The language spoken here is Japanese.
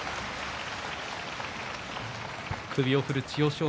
首を振る千代翔